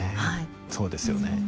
そうですよね。